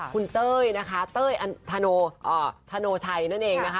คุณเต้ยนะคะเต้ยอันธโนชัยนั่นเองนะคะ